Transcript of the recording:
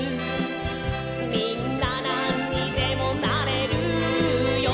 「みんななんにでもなれるよ！」